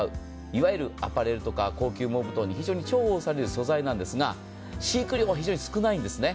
いわゆるアパレルとか高級ダウンとかに非常に重宝される素材なんですが、飼育料も少ないんですね。